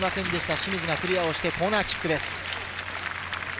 清水がクリアしてコーナーキックです。